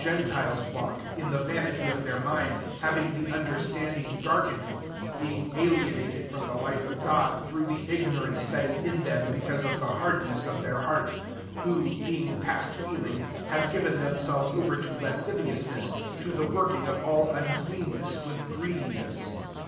917 ^entiles walk, in the vanity of heir mind, 18 having the un lerstanding darkened, being ilienated from the life of God, hrough the ignorance that is n them, because of the hard less of their heart: 19 who, >eing past feeling, have given hemselves over to lascivious less, to the working of all mcleanness with greediness.